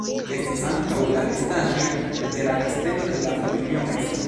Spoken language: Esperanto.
Estas ankaŭ la restaĵoj de la kastelo de la familio Mesa.